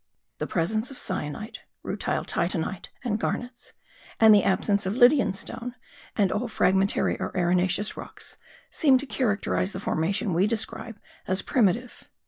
The presence of cyanite, rutile titanite, and garnets, and the absence of Lydian stone, and all fragmentary or arenaceous rocks, seem to characterise the formation we describe as primitive.